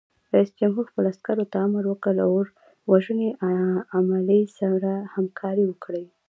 رئیس جمهور خپلو عسکرو ته امر وکړ؛ له اور وژنې عملې سره همکاري وکړئ!